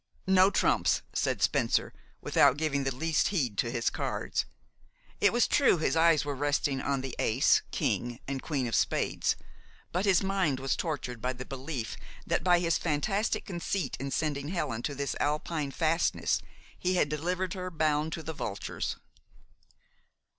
"No trumps," said Spencer, without giving the least heed to his cards. It was true his eyes were resting on the ace, king, and queen of spades; but his mind was tortured by the belief that by his fantastic conceit in sending Helen to this Alpine fastness he had delivered her bound to the vultures.